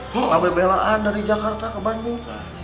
labeh belaan dari jakarta ke bandung